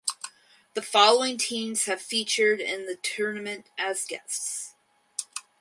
The following teams have featured in the tournament as guests.